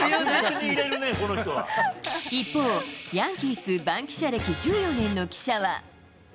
一方、ヤンキース番記者歴１４年の記者は。